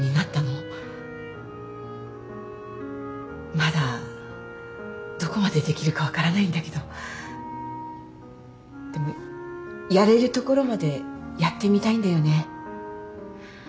まだどこまでできるか分からないんだけどでもやれるところまでやってみたいんだよね。